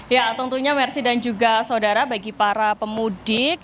ya tentunya mersi dan juga saudara bagi para pemudik